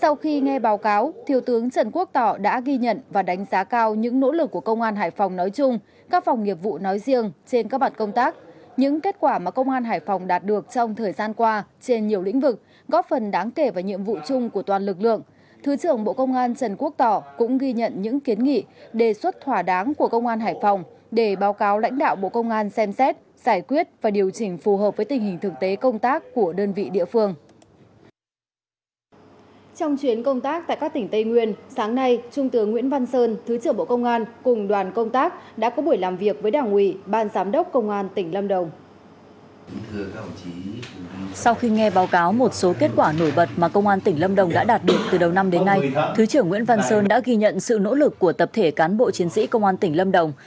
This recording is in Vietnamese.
sau khi nghe báo cáo một số kết quả nổi bật mà công an tỉnh lâm đồng đã đạt được từ đầu năm đến nay thứ trưởng nguyễn văn sơn đã ghi nhận sự nỗ lực của tập thể cán bộ chiến sĩ công an tỉnh lâm đồng